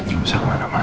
nggak usah kemana mana